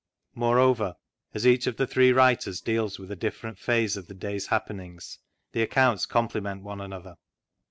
Moreover, as each of the three writers deals with a different [diase <^ the day's happen ings, the accounts complement one another.